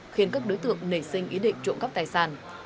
khiến các đối tượng nảy sinh ý định trộm cắp tài sản